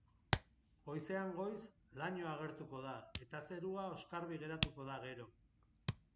Goizean goiz, lainoa agertuko da, eta zerua oskarbi geratuko da gero.